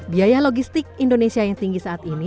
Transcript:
biaya logistik indonesia yang tinggi saat ini